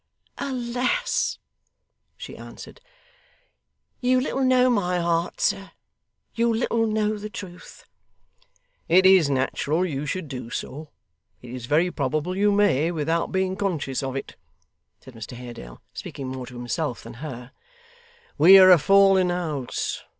'Alas!' she answered. 'You little know my heart, sir. You little know the truth!' 'It is natural you should do so; it is very probable you may, without being conscious of it,' said Mr Haredale, speaking more to himself than her. 'We are a fallen house.